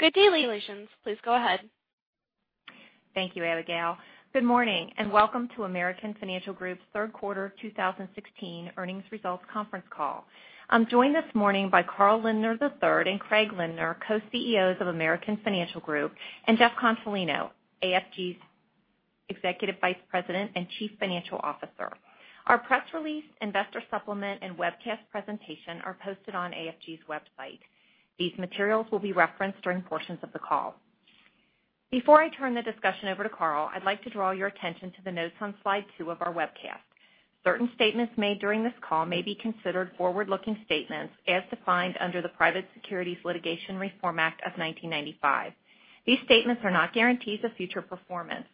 Good day, please go ahead. Thank you, Abigail. Good morning, and welcome to American Financial Group's third quarter 2016 earnings results conference call. I'm joined this morning by Carl Lindner III and Craig Lindner, Co-CEOs of American Financial Group, and Jeff Consolino, AFG's Executive Vice President and Chief Financial Officer. Our press release, investor supplement, and webcast presentation are posted on AFG's website. These materials will be referenced during portions of the call. Before I turn the discussion over to Carl, I'd like to draw your attention to the notes on slide two of our webcast. Certain statements made during this call may be considered forward-looking statements as defined under the Private Securities Litigation Reform Act of 1995. These statements are not guarantees of future performance.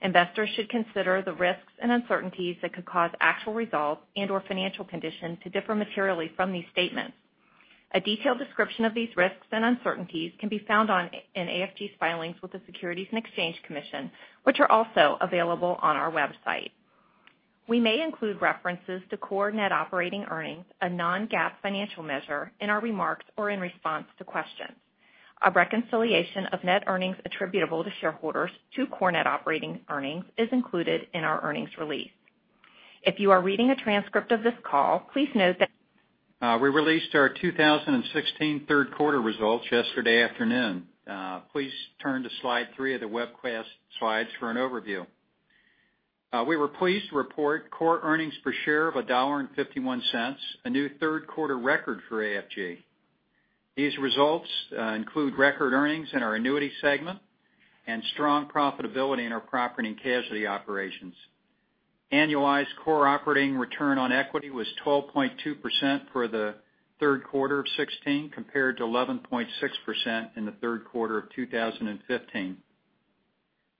Investors should consider the risks and uncertainties that could cause actual results and/or financial conditions to differ materially from these statements. A detailed description of these risks and uncertainties can be found in AFG's filings with the Securities and Exchange Commission, which are also available on our website. We may include references to core net operating earnings, a non-GAAP financial measure, in our remarks or in response to questions. A reconciliation of net earnings attributable to shareholders to core net operating earnings is included in our earnings release. If you are reading a transcript of this call, please note that. We released our 2016 third quarter results yesterday afternoon. Please turn to slide three of the webcast slides for an overview. We were pleased to report core earnings per share of $1.51, a new third quarter record for AFG. These results include record earnings in our annuity segment and strong profitability in our Property and Casualty operations. Annualized core operating return on equity was 12.2% for the third quarter of 2016, compared to 11.6% in the third quarter of 2015.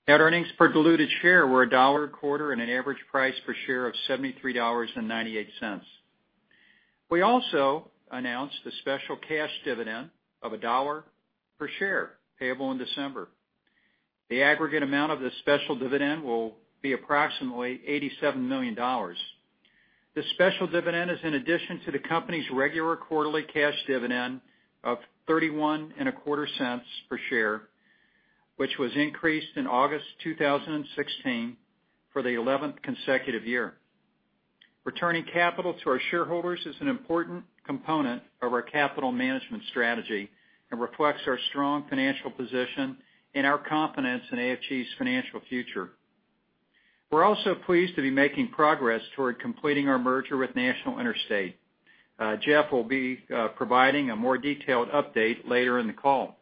Net earnings per diluted share were $1.00 a quarter and an average price per share of $73.98. We also announced a special cash dividend of $1.00 per share, payable in December. The aggregate amount of this special dividend will be approximately $87 million. This special dividend is in addition to the company's regular quarterly cash dividend of $0.3125 per share, which was increased in August 2016 for the 11th consecutive year. Returning capital to our shareholders is an important component of our capital management strategy and reflects our strong financial position and our confidence in AFG's financial future. We're also pleased to be making progress toward completing our merger with National Interstate. Jeff will be providing a more detailed update later in the call.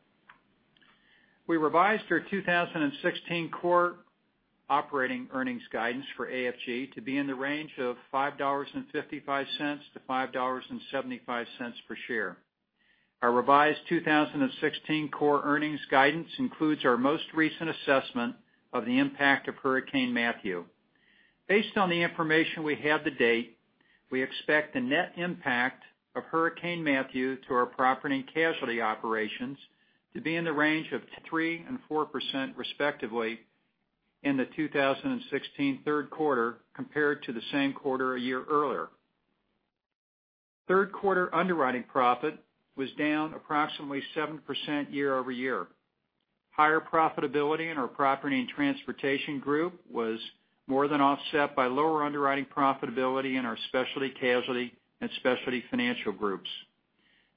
We revised our 2016 core operating earnings guidance for AFG to be in the range of $5.55 to $5.75 per share. Our revised 2016 core earnings guidance includes our most recent assessment of the impact of Hurricane Matthew. Based on the information we have to date, we expect the net impact of Hurricane Matthew to our Property and Casualty operations to be in the range of 3%-4% respectively in the 2016 third quarter compared to the same quarter a year earlier. Third quarter underwriting profit was down approximately 7% year-over-year. Higher profitability in our Property and Transportation Group was more than offset by lower underwriting profitability in our Specialty Casualty and Specialty Financial Groups.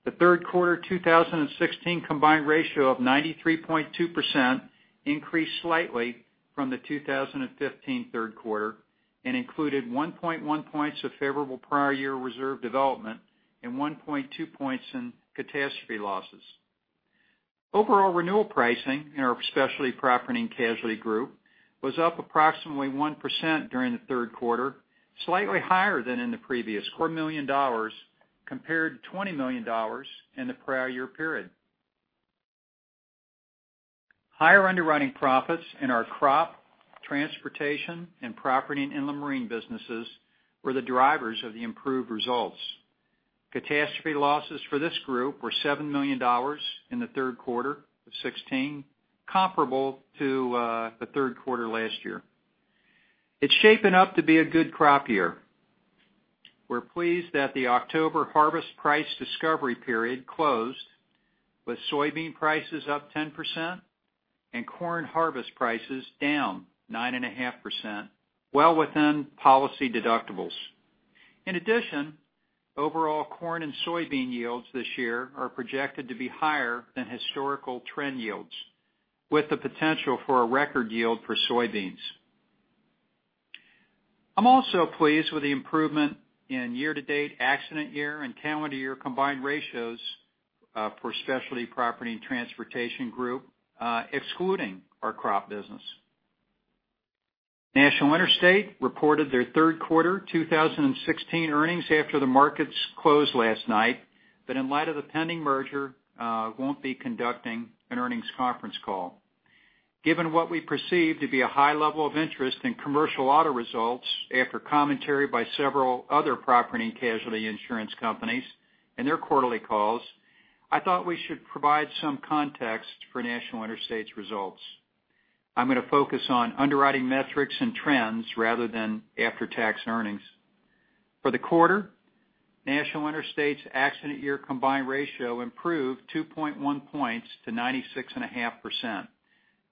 The third quarter 2016 combined ratio of 93.2% increased slightly from the 2015 third quarter and included 1.1 points of favorable prior year reserve development and 1.2 points in catastrophe losses. Overall renewal pricing in our Specialty Property & Casualty group was up approximately 1% during the third quarter, slightly higher than in the previous quarter, compared to $20 million in the prior year period. Higher underwriting profits in our crop, transportation, and property and inland marine businesses were the drivers of the improved results. Catastrophe losses for this group were $7 million in the third quarter of 2016, comparable to the third quarter last year. It's shaping up to be a good crop year. We're pleased that the October harvest price discovery period closed with soybean prices up 10% and corn harvest prices down 9.5%, well within policy deductibles. In addition, overall corn and soybean yields this year are projected to be higher than historical trend yields, with the potential for a record yield for soybeans. I'm also pleased with the improvement in year-to-date accident year and calendar year combined ratios for specialty Property and Transportation Group, excluding our crop business. National Interstate reported their third quarter 2016 earnings after the markets closed last night, in light of the pending merger, won't be conducting an earnings conference call. Given what we perceive to be a high level of interest in commercial auto results after commentary by several other Property and Casualty insurance companies in their quarterly calls, I thought we should provide some context for National Interstate's results. I'm going to focus on underwriting metrics and trends rather than after-tax earnings. For the quarter, National Interstate's accident year combined ratio improved 2.1 points to 96.5%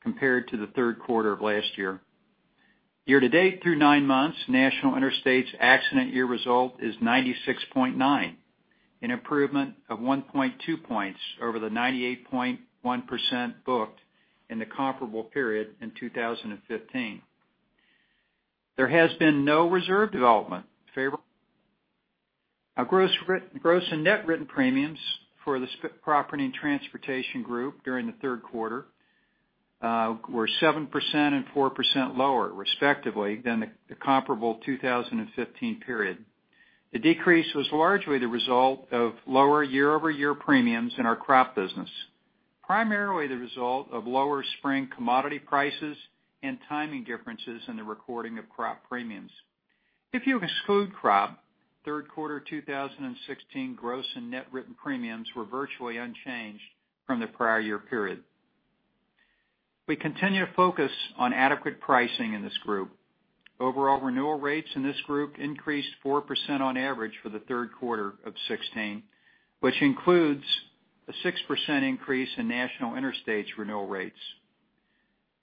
compared to the third quarter of last year. Year-to-date through nine months, National Interstate's accident year result is 96.9%, an improvement of 1.2 points over the 98.1% booked in the comparable period in 2015. There has been no reserve development. Our gross and net written premiums for this Property & Transportation Group during the third quarter were 7% and 4% lower, respectively, than the comparable 2015 period. The decrease was largely the result of lower year-over-year premiums in our crop business, primarily the result of lower spring commodity prices and timing differences in the recording of crop premiums. If you exclude crop, third quarter 2016 gross and net written premiums were virtually unchanged from the prior year period. We continue to focus on adequate pricing in this group. Overall renewal rates in this group increased 4% on average for the third quarter of 2016, which includes a 6% increase in National Interstate's renewal rates.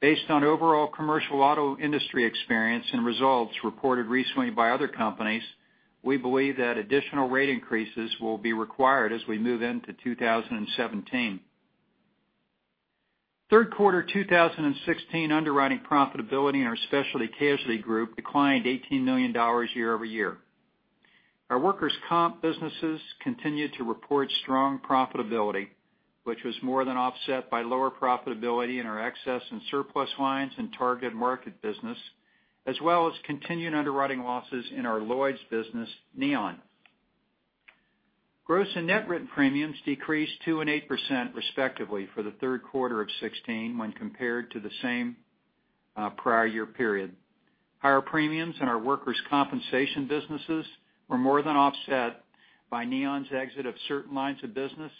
Based on overall commercial auto industry experience and results reported recently by other companies, we believe that additional rate increases will be required as we move into 2017. Third quarter 2016 underwriting profitability in our Specialty Casualty Group declined $18 million year-over-year. Our workers' comp businesses continued to report strong profitability, which was more than offset by lower profitability in our excess and surplus lines and target market business, as well as continuing underwriting losses in our Lloyd's business, Neon. Gross and net written premiums decreased 2% and 8% respectively for the third quarter of 2016 when compared to the same prior year period. Higher premiums in our workers' compensation businesses were more than offset by Neon's exit of certain lines of business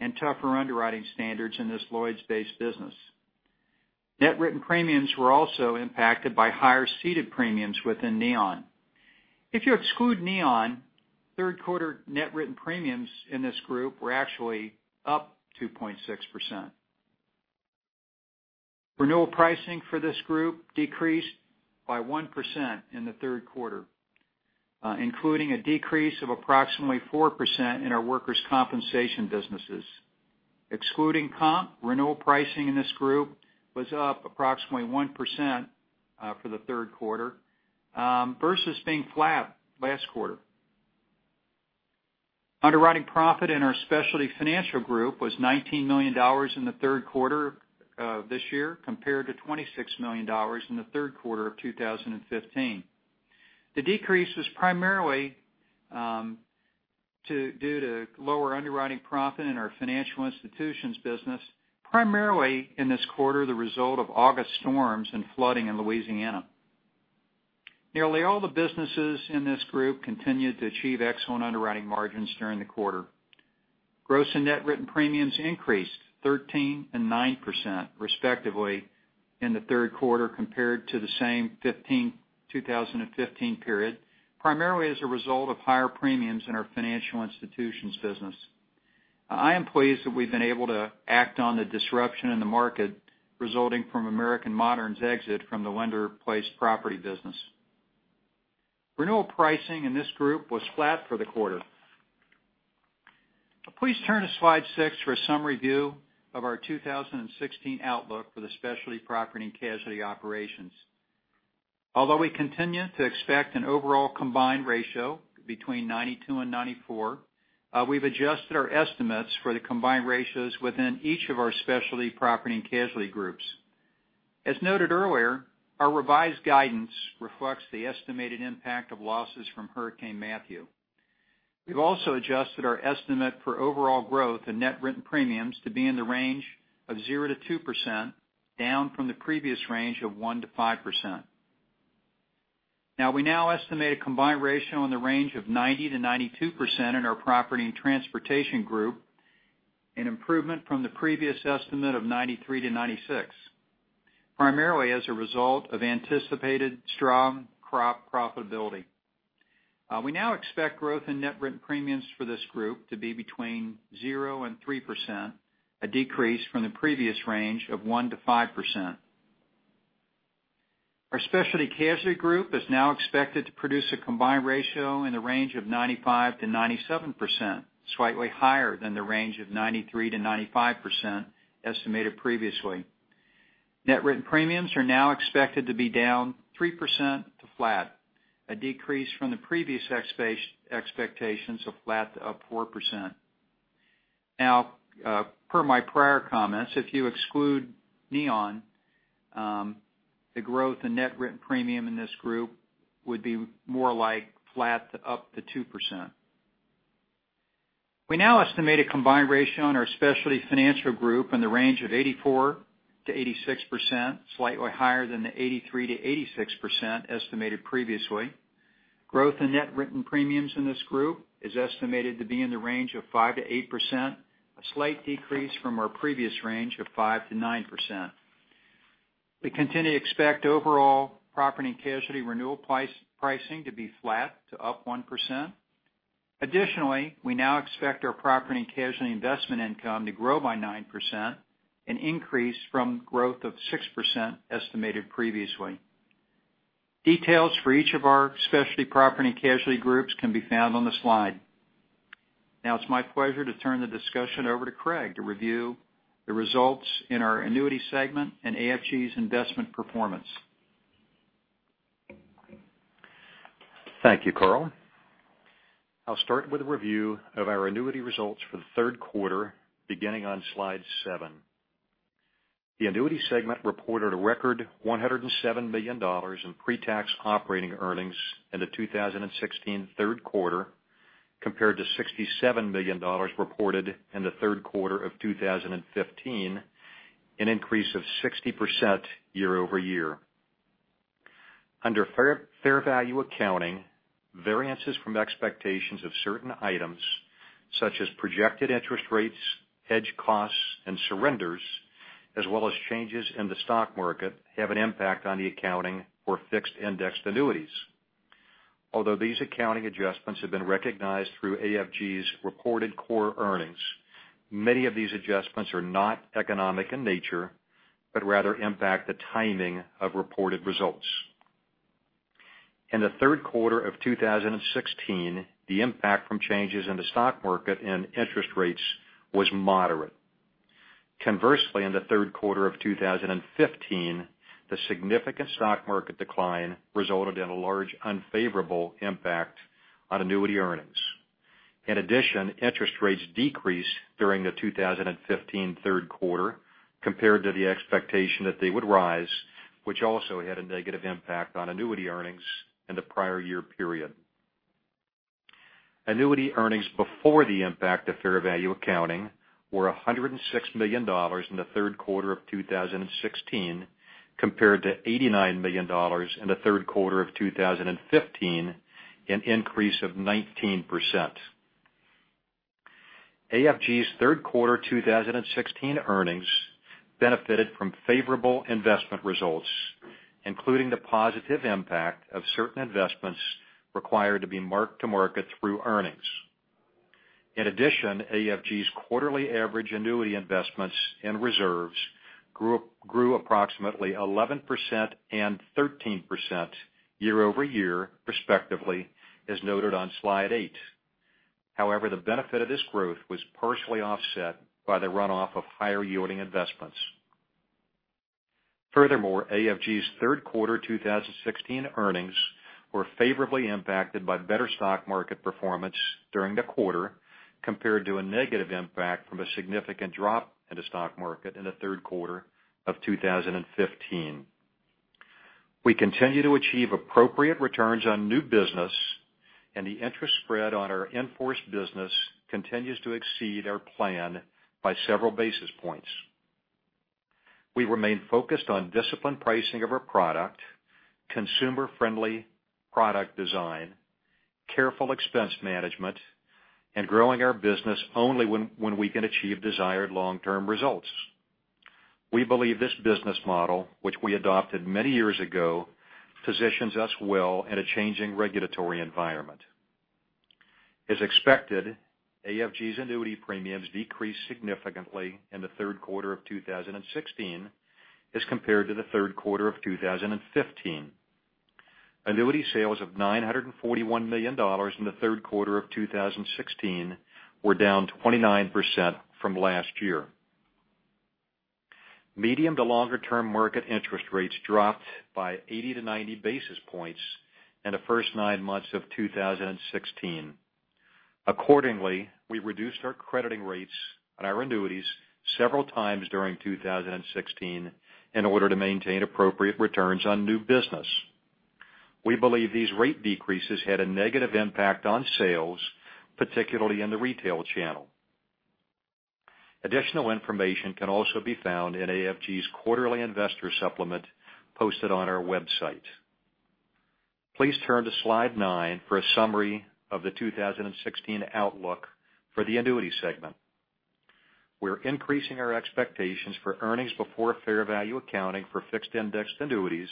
and tougher underwriting standards in this Lloyd's-based business. Net written premiums were also impacted by higher ceded premiums within Neon. If you exclude Neon, third quarter net written premiums in this group were actually up 2.6%. Renewal pricing for this group decreased by 1% in the third quarter, including a decrease of approximately 4% in our workers' compensation businesses. Excluding comp, renewal pricing in this group was up approximately 1% for the third quarter versus being flat last quarter. Underwriting profit in our Specialty Financial Group was $19 million in the third quarter of this year, compared to $26 million in the third quarter of 2015. The decrease was primarily due to lower underwriting profit in our financial institutions business, primarily in this quarter, the result of August storms and flooding in Louisiana. Nearly all the businesses in this group continued to achieve excellent underwriting margins during the quarter. Gross and net written premiums increased 13% and 9% respectively in the third quarter compared to the same 2015 period, primarily as a result of higher premiums in our financial institutions business. I am pleased that we've been able to act on the disruption in the market resulting from American Modern's exit from the lender-placed property business. Renewal pricing in this group was flat for the quarter. Please turn to slide six for a summary view of our 2016 outlook for the Specialty Property & Casualty operations. Although we continue to expect an overall combined ratio between 92 and 94, we've adjusted our estimates for the combined ratios within each of our Specialty Property & Casualty groups. As noted earlier, our revised guidance reflects the estimated impact of losses from Hurricane Matthew. We've also adjusted our estimate for overall growth in net written premiums to be in the range of 0%-2%, down from the previous range of 1%-5%. We now estimate a combined ratio in the range of 90%-92% in our Property & Transportation Group, an improvement from the previous estimate of 93%-96%, primarily as a result of anticipated strong crop profitability. We now expect growth in net written premiums for this group to be between 0% and 3%, a decrease from the previous range of 1%-5%. Our Specialty Casualty Group is now expected to produce a combined ratio in the range of 95%-97%, slightly higher than the range of 93%-95% estimated previously. Net written premiums are now expected to be down 3% to flat, a decrease from the previous expectations of flat to up 4%. Per my prior comments, if you exclude Neon, the growth in net written premium in this group would be more like flat to up to 2%. We now estimate a combined ratio on our Specialty Financial Group in the range of 84%-86%, slightly higher than the 83%-86% estimated previously. Growth in net written premiums in this group is estimated to be in the range of 5%-8%, a slight decrease from our previous range of 5%-9%. We continue to expect overall Property and Casualty renewal pricing to be flat to up 1%. Additionally, we now expect our Property and Casualty investment income to grow by 9%, an increase from growth of 6% estimated previously. Details for each of our Specialty Property and Casualty groups can be found on the slide. Now it's my pleasure to turn the discussion over to Craig to review the results in our annuity segment and AFG's investment performance. Thank you, Carl. I'll start with a review of our annuity results for the third quarter, beginning on slide seven. The annuity segment reported a record $107 million in pre-tax operating earnings in the 2016 third quarter, compared to $67 million reported in the third quarter of 2015, an increase of 60% year-over-year. Under fair value accounting, variances from expectations of certain items, such as projected interest rates, hedge costs, and surrenders, as well as changes in the stock market, have an impact on the accounting for fixed indexed annuities. Although these accounting adjustments have been recognized through AFG's reported core earnings, many of these adjustments are not economic in nature, but rather impact the timing of reported results. In the third quarter of 2016, the impact from changes in the stock market and interest rates was moderate. Conversely, in the third quarter of 2015, the significant stock market decline resulted in a large unfavorable impact on annuity earnings. In addition, interest rates decreased during the 2015 third quarter compared to the expectation that they would rise, which also had a negative impact on annuity earnings in the prior year period. Annuity earnings before the impact of fair value accounting were $106 million in the third quarter of 2016, compared to $89 million in the third quarter of 2015, an increase of 19%. AFG's third quarter 2016 earnings benefited from favorable investment results, including the positive impact of certain investments required to be marked to market through earnings. In addition, AFG's quarterly average annuity investments and reserves grew approximately 11% and 13% year-over-year respectively, as noted on slide eight. However, the benefit of this growth was partially offset by the runoff of higher yielding investments. Furthermore, AFG's third quarter 2016 earnings were favorably impacted by better stock market performance during the quarter compared to a negative impact from a significant drop in the stock market in the third quarter of 2015. We continue to achieve appropriate returns on new business, and the interest spread on our in-force business continues to exceed our plan by several basis points. We remain focused on disciplined pricing of our product, consumer-friendly product design, careful expense management, and growing our business only when we can achieve desired long-term results. We believe this business model, which we adopted many years ago, positions us well in a changing regulatory environment. As expected, AFG's annuity premiums decreased significantly in the third quarter of 2016 as compared to the third quarter of 2015. Annuity sales of $941 million in the third quarter of 2016 were down 29% from last year. Medium to longer term market interest rates dropped by 80 to 90 basis points in the first nine months of 2016. Accordingly, we reduced our crediting rates on our annuities several times during 2016 in order to maintain appropriate returns on new business. We believe these rate decreases had a negative impact on sales, particularly in the retail channel. Additional information can also be found in AFG's quarterly investor supplement posted on our website. Please turn to slide nine for a summary of the 2016 outlook for the annuity segment. We're increasing our expectations for earnings before fair value accounting for fixed-indexed annuities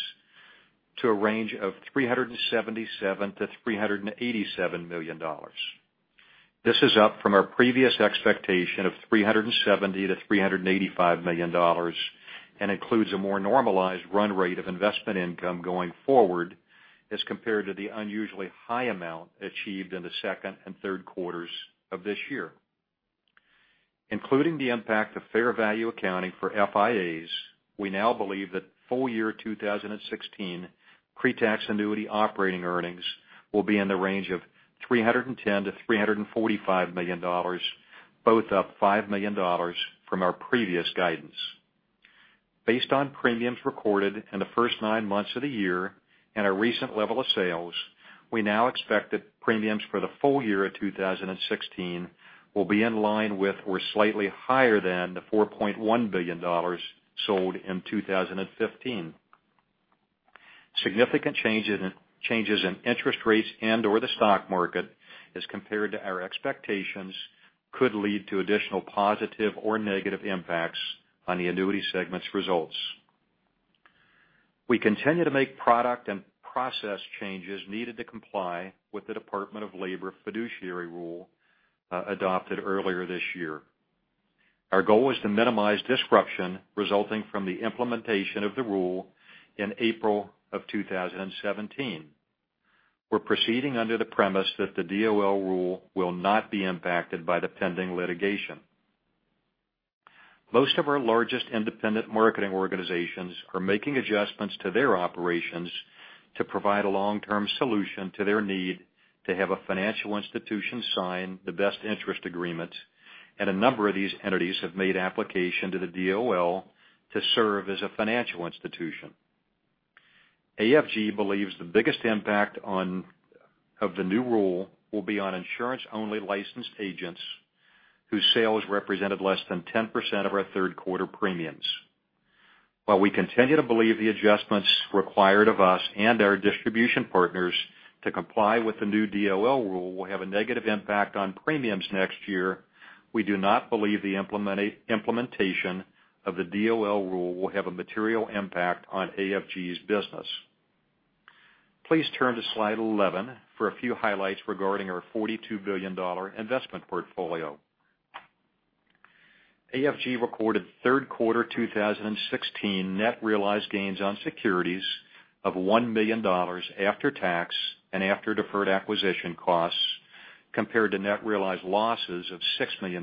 to a range of $377 million-$387 million. This is up from our previous expectation of $370 million-$385 million and includes a more normalized run rate of investment income going forward as compared to the unusually high amount achieved in the second and third quarters of this year. Including the impact of fair value accounting for FIAs, we now believe that full year 2016 pre-tax annuity operating earnings will be in the range of $310 million-$345 million, both up $5 million from our previous guidance. Based on premiums recorded in the first nine months of the year and our recent level of sales, we now expect that premiums for the full year of 2016 will be in line with or slightly higher than the $4.1 billion sold in 2015. Significant changes in interest rates and/or the stock market as compared to our expectations could lead to additional positive or negative impacts on the annuity segment's results. We continue to make product and process changes needed to comply with the Department of Labor fiduciary rule adopted earlier this year. Our goal is to minimize disruption resulting from the implementation of the rule in April of 2017. We're proceeding under the premise that the DOL rule will not be impacted by the pending litigation. Most of our largest independent marketing organizations are making adjustments to their operations to provide a long-term solution to their need to have a financial institution sign the Best Interest Contract, and a number of these entities have made application to the DOL to serve as a financial institution. AFG believes the biggest impact of the new rule will be on insurance-only licensed agents whose sales represented less than 10% of our third-quarter premiums. While we continue to believe the adjustments required of us and our distribution partners to comply with the new DOL rule will have a negative impact on premiums next year, we do not believe the implementation of the DOL rule will have a material impact on AFG's business. Please turn to slide 11 for a few highlights regarding our $42 billion investment portfolio. AFG recorded third quarter 2016 net realized gains on securities of $1 million after tax and after deferred acquisition costs, compared to net realized losses of $6 million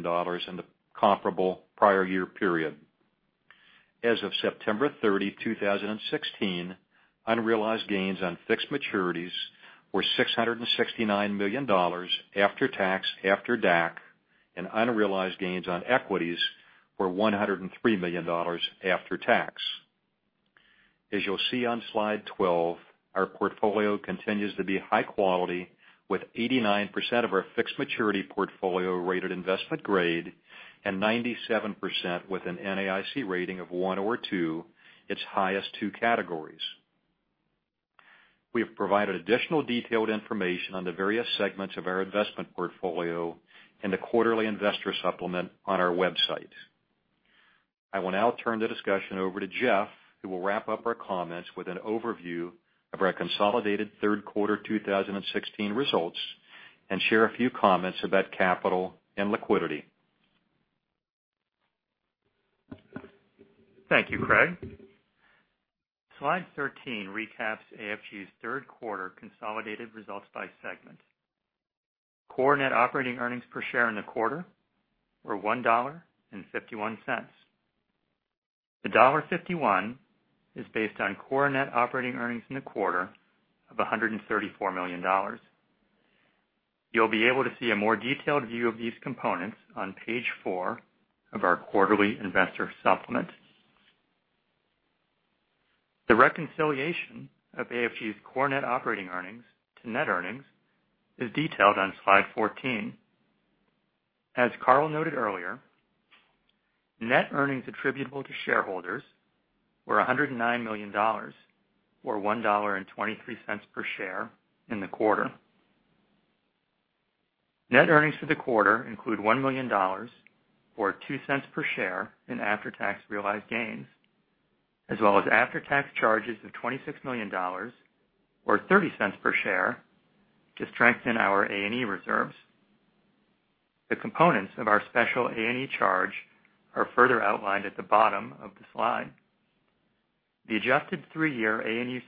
in the comparable prior year period. As of September 30, 2016, unrealized gains on fixed maturities were $669 million after tax, after DAC, and unrealized gains on equities were $103 million after tax. As you'll see on slide 12, our portfolio continues to be high quality, with 89% of our fixed maturity portfolio rated investment-grade, and 97% with an NAIC rating of one or two, its highest two categories. We have provided additional detailed information on the various segments of our investment portfolio in the quarterly investor supplement on our website. I will now turn the discussion over to Jeff, who will wrap up our comments with an overview of our consolidated third quarter 2016 results and share a few comments about capital and liquidity. Thank you, Craig. Slide 13 recaps AFG's third quarter consolidated results by segment. Core net operating earnings per share in the quarter were $1.51. The $1.51 is based on core net operating earnings in the quarter of $134 million. You'll be able to see a more detailed view of these components on page four of our quarterly investor supplement. The reconciliation of AFG's core net operating earnings to net earnings is detailed on slide 14. As Carl noted earlier, net earnings attributable to shareholders were $109 million, or $1.23 per share in the quarter. Net earnings for the quarter include $1 million, or $0.02 per share in after-tax realized gains, as well as after-tax charges of $26 million, or $0.30 per share to strengthen our A&E reserves. The components of our special A&E charge are further outlined at the bottom of the slide. The adjusted three-year A&E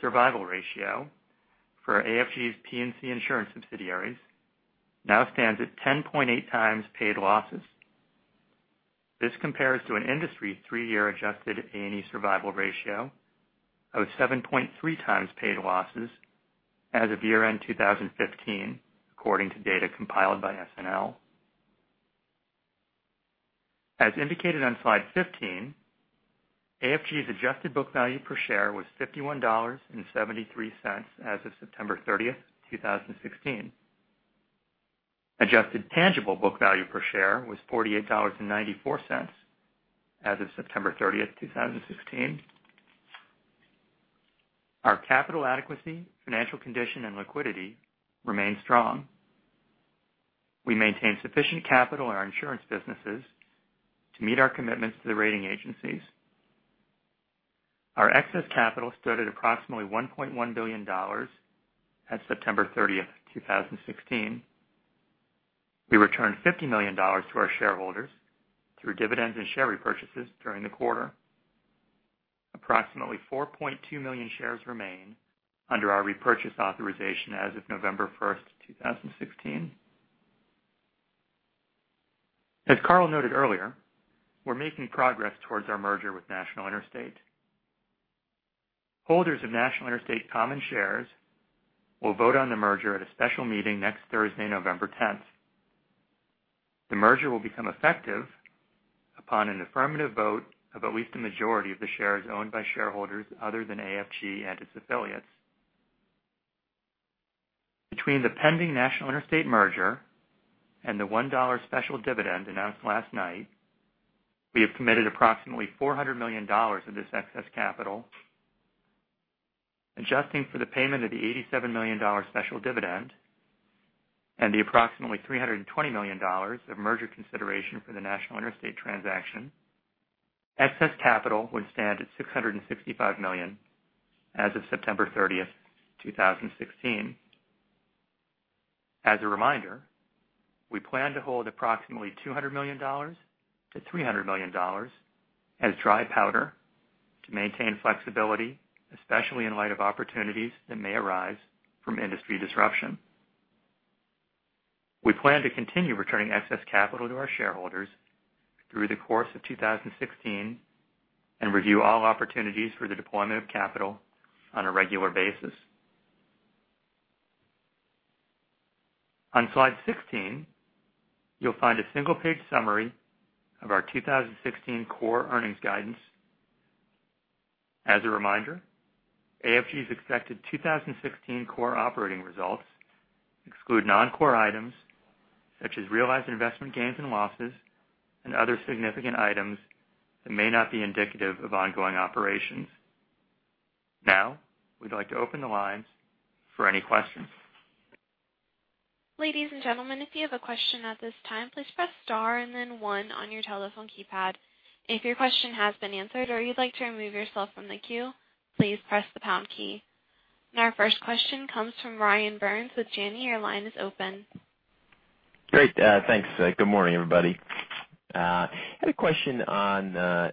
survival ratio for AFG's P&C insurance subsidiaries now stands at 10.8 times paid losses. This compares to an industry three-year adjusted A&E survival ratio of 7.3 times paid losses as of year-end 2015, according to data compiled by SNL. As indicated on slide 15, AFG's adjusted book value per share was $51.73 as of September 30th, 2016. Adjusted tangible book value per share was $48.94 as of September 30th, 2016. Our capital adequacy, financial condition, and liquidity remain strong. We maintain sufficient capital in our insurance businesses to meet our commitments to the rating agencies. Our excess capital stood at approximately $1.1 billion as of September 30th, 2016. We returned $50 million to our shareholders through dividends and share repurchases during the quarter. Approximately 4.2 million shares remain under our repurchase authorization as of November 1st, 2016. As Carl noted earlier, we're making progress towards our merger with National Interstate. Holders of National Interstate common shares will vote on the merger at a special meeting next Thursday, November 10th. The merger will become effective upon an affirmative vote of at least a majority of the shares owned by shareholders other than AFG and its affiliates. Between the pending National Interstate merger and the $1 special dividend announced last night, we have committed approximately $400 million of this excess capital. Adjusting for the payment of the $87 million special dividend and the approximately $320 million of merger consideration for the National Interstate transaction, excess capital would stand at $665 million as of September 30, 2016. As a reminder, we plan to hold approximately $200 million to $300 million as dry powder to maintain flexibility, especially in light of opportunities that may arise from industry disruption. We plan to continue returning excess capital to our shareholders through the course of 2016 and review all opportunities for the deployment of capital on a regular basis. On slide 16, you'll find a single page summary of our 2016 core earnings guidance. As a reminder, AFG's expected 2016 core operating results exclude non-core items such as realized investment gains and losses and other significant items that may not be indicative of ongoing operations. We'd like to open the lines for any questions. Ladies and gentlemen, if you have a question at this time, please press star and then one on your telephone keypad. If your question has been answered or you'd like to remove yourself from the queue, please press the pound key. Our first question comes from Ryan Burns with Janney. Your line is open. Great. Thanks. Good morning, everybody. I had a question on your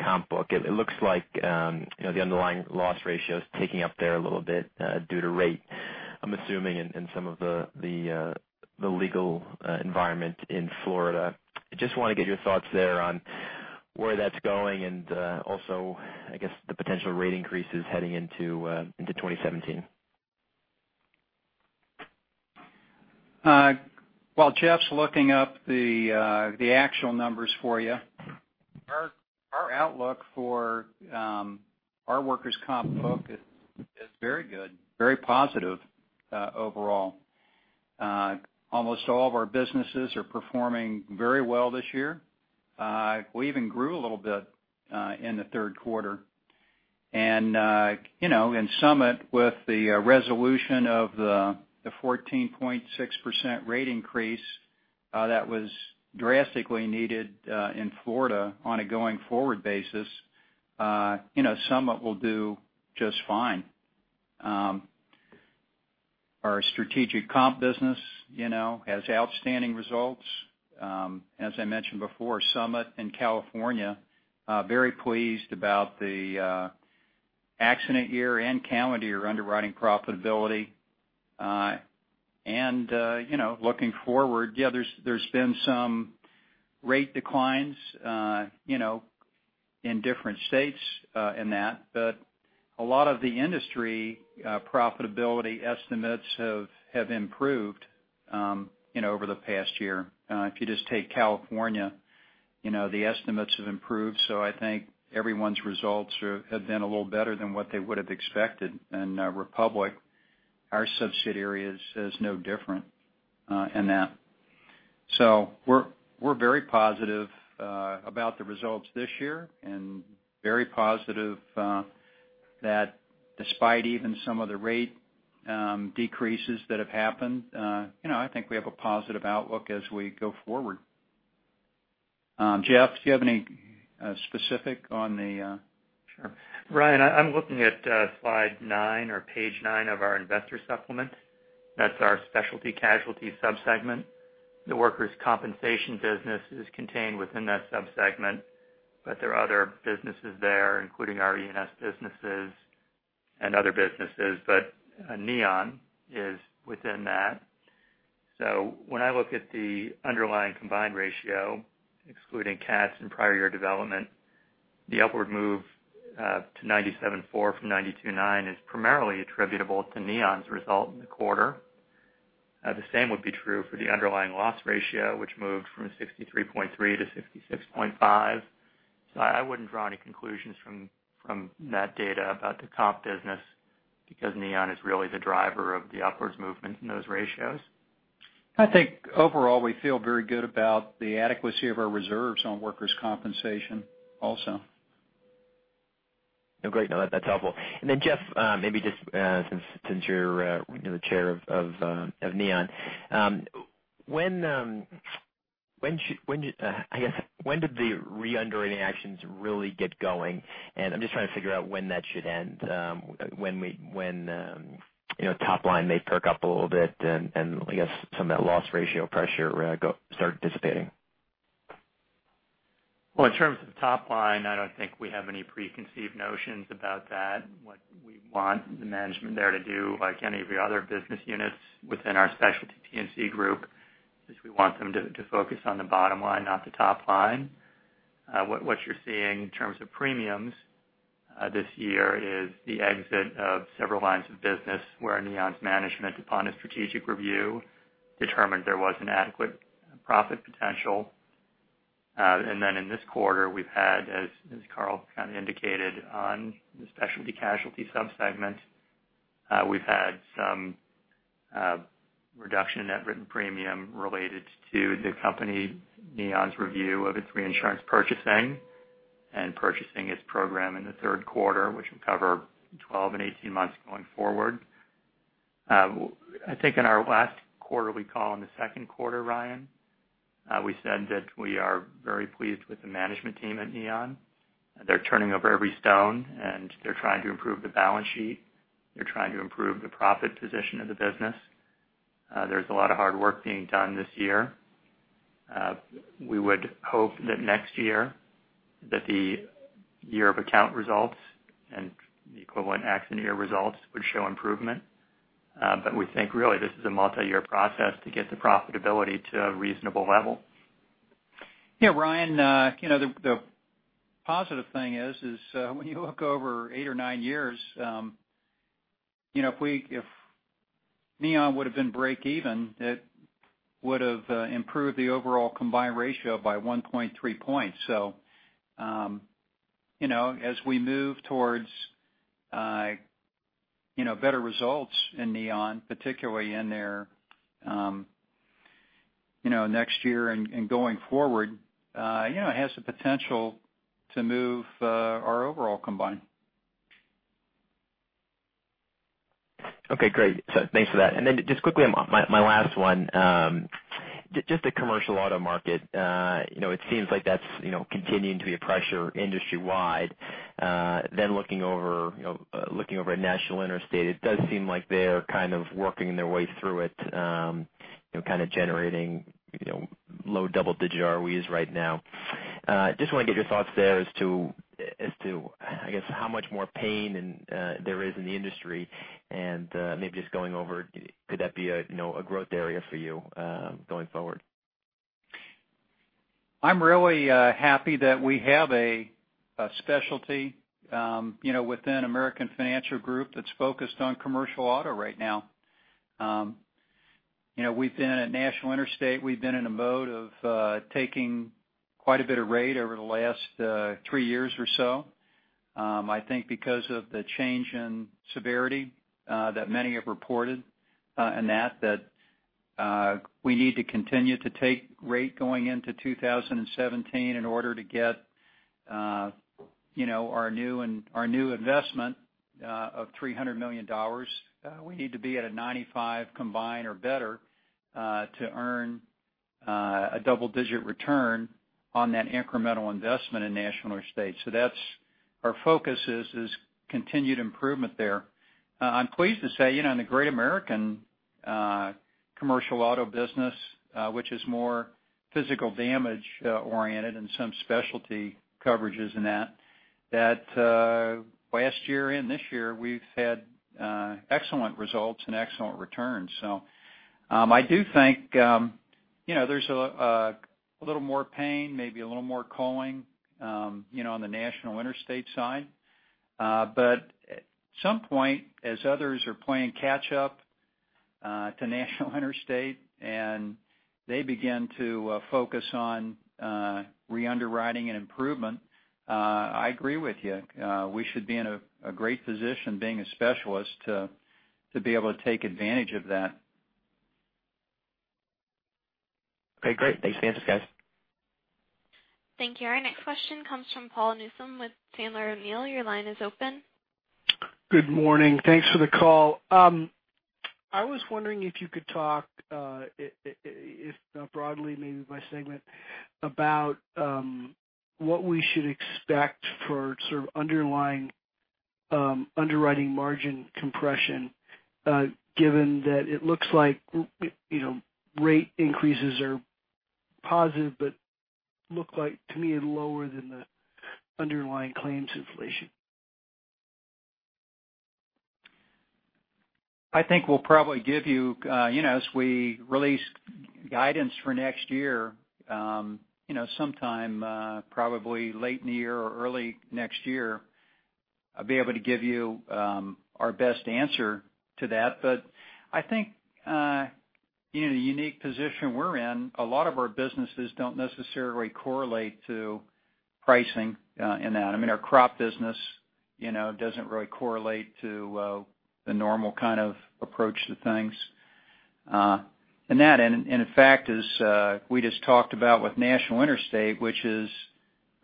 comp book. It looks like the underlying loss ratio is ticking up there a little bit due to rate, I'm assuming, and some of the legal environment in Florida. I just want to get your thoughts there on where that's going and also, I guess, the potential rate increases heading into 2017. While Jeff's looking up the actual numbers for you, our outlook for our workers' comp book is very good, very positive overall. Almost all of our businesses are performing very well this year. We even grew a little bit in the third quarter. Summit, with the resolution of the 14.6% rate increase that was drastically needed in Florida on a going forward basis, Summit will do just fine. Our strategic comp business has outstanding results. As I mentioned before, Summit and California are very pleased about the accident year and calendar year underwriting profitability. Looking forward, yeah, there's been some rate declines in different states in that, a lot of the industry profitability estimates have improved over the past year. If you just take California, the estimates have improved. I think everyone's results have been a little better than what they would have expected. Republic, our subsidiary, is no different in that. We're very positive about the results this year and very positive that despite even some of the rate decreases that have happened, I think we have a positive outlook as we go forward. Jeff, do you have any specific on the- Sure. Ryan, I'm looking at slide nine or page nine of our investor supplement. That's our Specialty Casualty Group. The workers' compensation business is contained within that sub-segment, but there are other businesses there, including our E&S businesses and other businesses. Neon is within that. When I look at the underlying combined ratio, excluding cats and prior year development, the upward move to 97.4 from 92.9 is primarily attributable to Neon's result in the quarter. The same would be true for the underlying loss ratio, which moved from 63.3 to 66.5. I wouldn't draw any conclusions from that data about the comp business because Neon is really the driver of the upwards movement in those ratios. I think overall, we feel very good about the adequacy of our reserves on workers' compensation also. Great. No, that's helpful. Jeff, maybe just since you're the chair of Neon, when did the re-underwriting actions really get going? I'm just trying to figure out when that should end, when top line may perk up a little bit and I guess some of that loss ratio pressure start dissipating. In terms of the top line, I don't think we have any preconceived notions about that. What we want the management there to do, like any of the other business units within our Specialty P&C group, is we want them to focus on the bottom line, not the top line. What you're seeing in terms of premiums this year is the exit of several lines of business where Neon's management, upon a strategic review, determined there was inadequate profit potential. In this quarter we've had, as Carl kind of indicated on the Specialty Casualty sub-segment, we've had some reduction in net written premium related to the company, Neon's review of its reinsurance purchasing and purchasing its program in the third quarter, which will cover 12 and 18 months going forward. I think in our last quarterly call in the second quarter, Ryan, we said that we are very pleased with the management team at Neon. They're turning over every stone, and they're trying to improve the balance sheet. They're trying to improve the profit position of the business. There's a lot of hard work being done this year. We would hope that next year, that the year of account results and the equivalent accident year results would show improvement. We think really this is a multiyear process to get the profitability to a reasonable level. Ryan, the positive thing is when you look over eight or nine years, if Neon would've been break even, it would've improved the overall combined ratio by 1.3 points. As we move towards better results in Neon, particularly in their next year and going forward, it has the potential to move our overall combined. Okay, great. Thanks for that. Just quickly, my last one. Just the commercial auto market, it seems like that's continuing to be a pressure industry wide. Looking over at National Interstate, it does seem like they're kind of working their way through it, kind of generating low double-digit ROEs right now. Just want to get your thoughts there as to, I guess, how much more pain there is in the industry, and maybe just going over could that be a growth area for you going forward? I'm really happy that we have a specialty within American Financial Group that's focused on commercial auto right now. At National Interstate, we've been in a mode of taking quite a bit of rate over the last three years or so. I think because of the change in severity that many have reported in that we need to continue to take rate going into 2017 in order to get our new investment of $300 million. We need to be at a 95 combined or better to earn a double-digit return on that incremental investment in National Interstate. Our focus is continued improvement there. I'm pleased to say in the Great American commercial auto business, which is more physical damage oriented and some specialty coverages in that last year and this year we've had excellent results and excellent returns. I do think there's a little more pain, maybe a little more culling on the National Interstate side. At some point, as others are playing catch up to National Interstate and they begin to focus on re-underwriting and improvement, I agree with you. We should be in a great position being a specialist to be able to take advantage of that. Okay, great. Thanks for the answers, guys. Thank you. Our next question comes from Paul Newsome with Sandler O'Neill. Your line is open. Good morning. Thanks for the call. I was wondering if you could talk, if broadly maybe by segment, about what we should expect for sort of underwriting margin compression given that it looks like rate increases are positive, but look like to me lower than the underlying claims inflation. I think we'll probably give you as we release guidance for next year, sometime probably late in the year or early next year, I'll be able to give you our best answer to that. I think the unique position we're in, a lot of our businesses don't necessarily correlate to pricing in that. I mean our crop business doesn't really correlate to the normal kind of approach to things. That, in fact is we just talked about with National Interstate, which is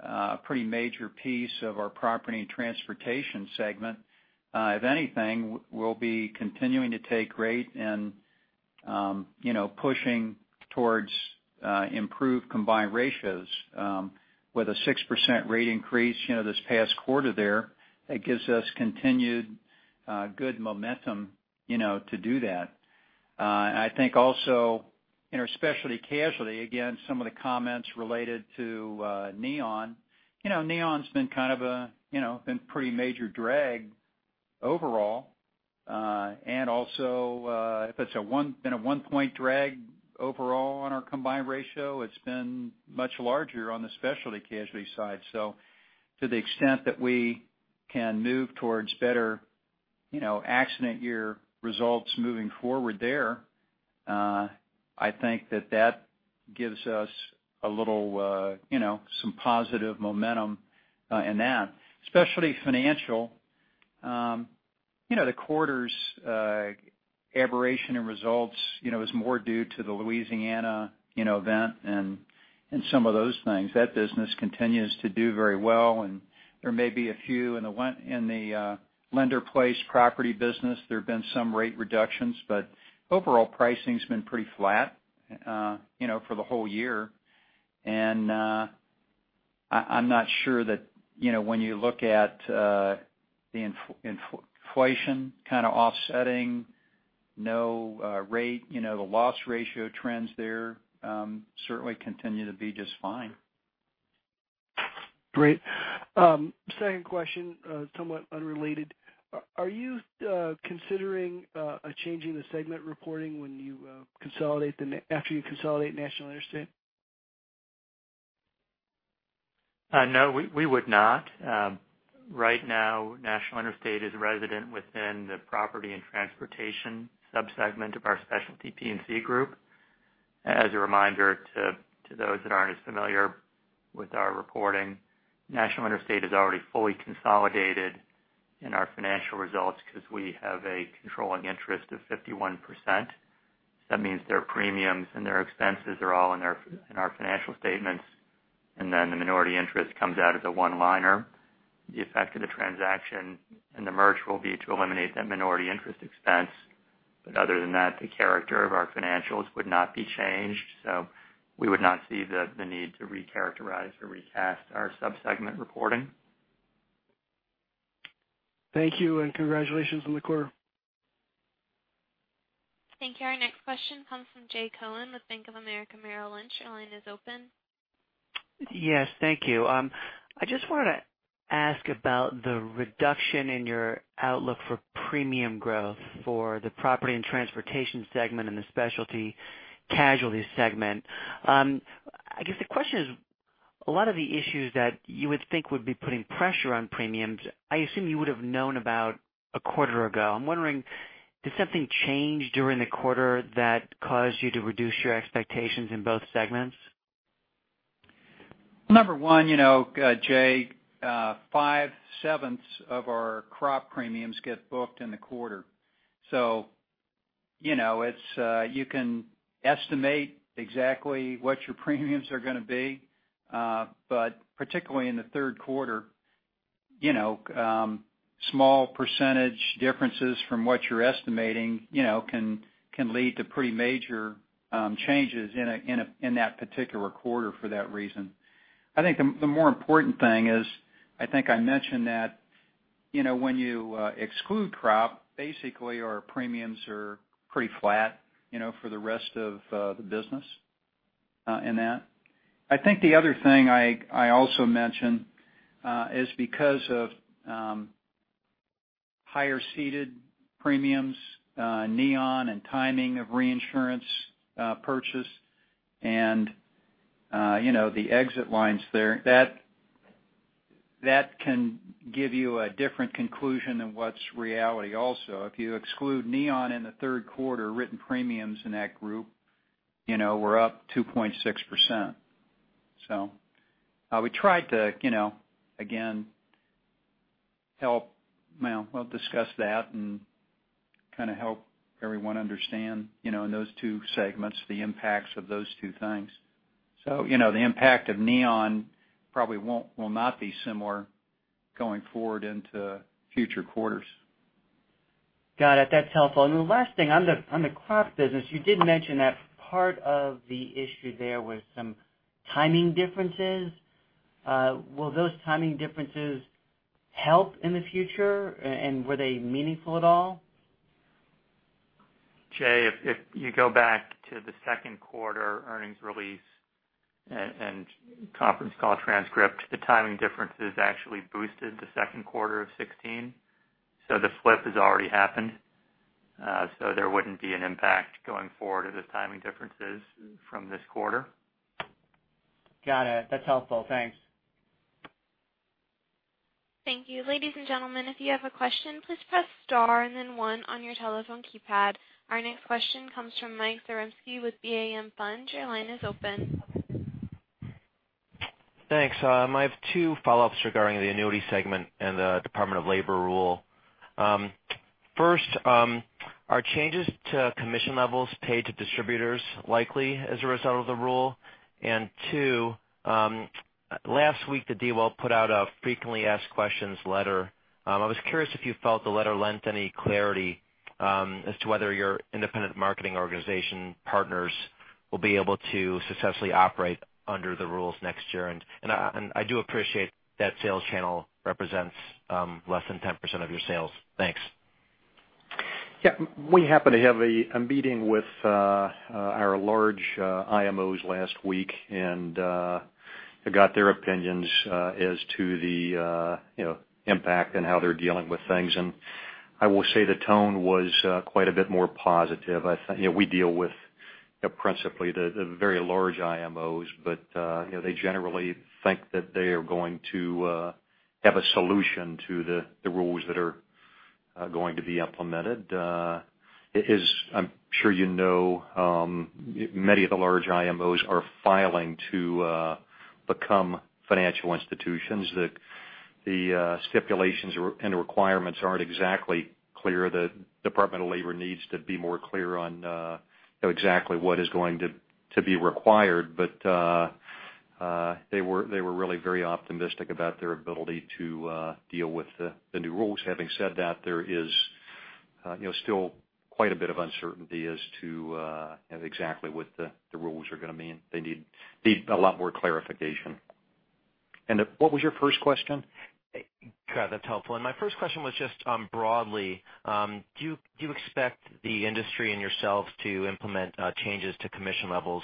a pretty major piece of our Property and Transportation segment. If anything, we'll be continuing to take rate and pushing towards improved combined ratios with a 6% rate increase this past quarter there. That gives us continued good momentum to do that. I think also in our Specialty Casualty, again, some of the comments related to Neon. Neon's been pretty major drag overall. Also if it's been a one point drag overall on our combined ratio, it's been much larger on the Specialty Casualty side. To the extent that we can move towards better Accident year results moving forward there, I think that gives us some positive momentum in that. Specialty Financial, the quarter's aberration in results is more due to the Louisiana event and some of those things. That business continues to do very well, and there may be a few in the lender-placed property business, there have been some rate reductions, but overall pricing's been pretty flat for the whole year. I'm not sure that when you look at the inflation kind of offsetting, no rate, the loss ratio trends there certainly continue to be just fine. Great. Second question, somewhat unrelated. Are you considering changing the segment reporting after you consolidate National Interstate? No, we would not. Right now, National Interstate is resident within the Property and Transportation sub-segment of our Specialty P&C Group. As a reminder to those that aren't as familiar with our reporting, National Interstate is already fully consolidated in our financial results because we have a controlling interest of 51%. That means their premiums and their expenses are all in our financial statements, and then the minority interest comes out as a one-liner. The effect of the transaction and the merge will be to eliminate that minority interest expense. Other than that, the character of our financials would not be changed. We would not see the need to recharacterize or recast our sub-segment reporting. Thank you, and congratulations on the quarter. Thank you. Our next question comes from Jay Cohen with Bank of America Merrill Lynch. Your line is open. Yes, thank you. I just wanted to ask about the reduction in your outlook for premium growth for the Property and Transportation segment and the Specialty Casualty segment. I guess the question is, a lot of the issues that you would think would be putting pressure on premiums, I assume you would've known about a quarter ago. I'm wondering, did something change during the quarter that caused you to reduce your expectations in both segments? Number one, Jay, five-sevenths of our crop premiums get booked in the quarter. You can estimate exactly what your premiums are going to be. Particularly in the third quarter, small percentage differences from what you're estimating can lead to pretty major changes in that particular quarter for that reason. I think the more important thing is, I think I mentioned that when you exclude crop, basically our premiums are pretty flat for the rest of the business in that. I think the other thing I also mentioned is because of higher ceded premiums, Neon, and timing of reinsurance purchase and the exit lines there, that can give you a different conclusion than what's reality also. If you exclude Neon in the third quarter, written premiums in that group were up 2.6%. We tried to, again, help discuss that and kind of help everyone understand in those two segments the impacts of those two things. The impact of Neon probably will not be similar going forward into future quarters. Got it. That's helpful. The last thing, on the crop business, you did mention that part of the issue there was some timing differences. Will those timing differences help in the future, and were they meaningful at all? Jay, if you go back to the second quarter earnings release and conference call transcript, the timing differences actually boosted the second quarter of 2016. The flip has already happened. There wouldn't be an impact going forward of those timing differences from this quarter. Got it. That's helpful. Thanks. Thank you. Ladies and gentlemen, if you have a question, please press star and then one on your telephone keypad. Our next question comes from Michael Zaremski with BAM Funds. Your line is open. Thanks. I have two follow-ups regarding the annuity segment and the Department of Labor rule. First, are changes to commission levels paid to distributors likely as a result of the rule? Two, last week the DOL put out a frequently asked questions letter. I was curious if you felt the letter lent any clarity as to whether your independent marketing organization partners will be able to successfully operate under the rules next year. I do appreciate that sales channel represents less than 10% of your sales. Thanks. Yeah. We happened to have a meeting with our large IMOs last week and got their opinions as to the impact and how they're dealing with things. I will say the tone was quite a bit more positive. We deal with Principally, the very large IMOs, but they generally think that they are going to have a solution to the rules that are going to be implemented. As I'm sure you know, many of the large IMOs are filing to become financial institutions. The stipulations and requirements aren't exactly clear. The Department of Labor needs to be more clear on exactly what is going to be required. They were really very optimistic about their ability to deal with the new rules. Having said that, there is still quite a bit of uncertainty as to exactly what the rules are going to mean. They need a lot more clarification. What was your first question? Got it. That's helpful. My first question was just broadly, do you expect the industry and yourselves to implement changes to commission levels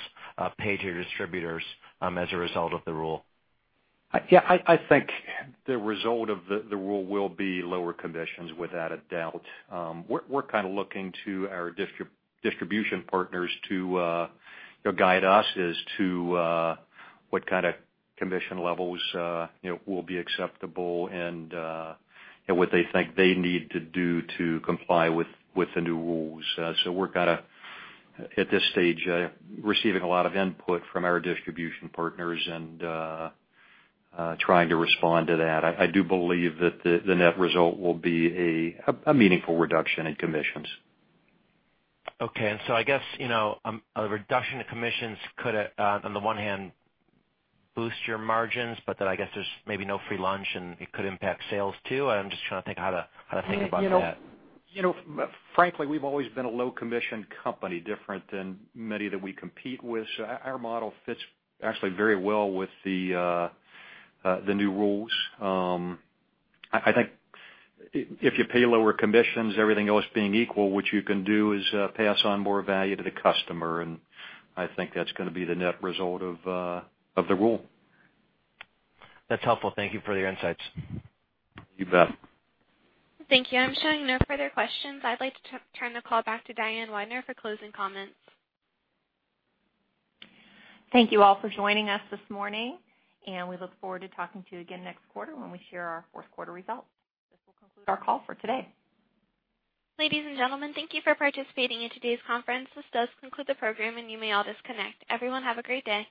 paid to your distributors as a result of the rule? Yeah, I think the result of the rule will be lower commissions, without a doubt. We're kind of looking to our distribution partners to guide us as to what kind of commission levels will be acceptable and what they think they need to do to comply with the new rules. We're, at this stage, receiving a lot of input from our distribution partners and trying to respond to that. I do believe that the net result will be a meaningful reduction in commissions. Okay. I guess, a reduction in commissions could, on the one hand, boost your margins, but then I guess there's maybe no free lunch, and it could impact sales too. I'm just trying to think how to think about that. Frankly, we've always been a low commission company, different than many that we compete with. Our model fits actually very well with the new rules. I think if you pay lower commissions, everything else being equal, what you can do is pass on more value to the customer, and I think that's going to be the net result of the rule. That's helpful. Thank you for your insights. You bet. Thank you. I'm showing no further questions. I'd like to turn the call back to Diane Weidner for closing comments. Thank you all for joining us this morning, and we look forward to talking to you again next quarter when we share our fourth quarter results. This will conclude our call for today. Ladies and gentlemen, thank you for participating in today's conference. This does conclude the program, and you may all disconnect. Everyone, have a great day.